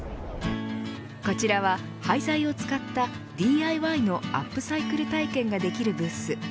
こちらは廃材を使ったＤＩＹのアップサイクル体験ができるブース。